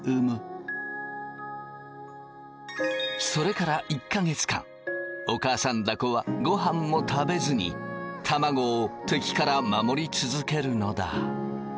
それから１か月間お母さんだこはごはんも食べずに卵を敵から守り続けるのだ。